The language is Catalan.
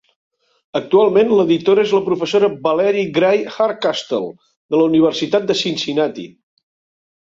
Actualment l'editora és la professora Valerie Gray Hardcastle de la Universitat de Cincinnati.